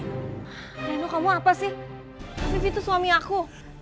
reno kamu apa sih afif itu suami aku